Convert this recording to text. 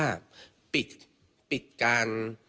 ทางนิติกรหมู่บ้านแจ้งกับสำนักงานเขตประเวท